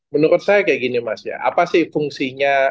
menurut saya kayak gini mas ya apa sih fungsinya